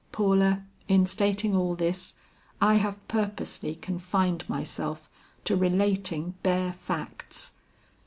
"Paula, in stating all this, I have purposely confined myself to relating bare facts.